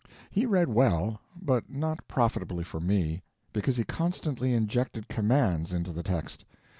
He read well, but not profitably for me, because he constantly injected commands into the text.